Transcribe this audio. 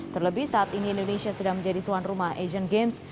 terlebih saat ini indonesia sedang menjadi tuan rumah asian games